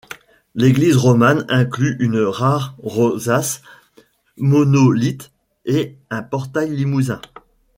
L'église romane inclut une rare rosace monolithe et un portail limousin.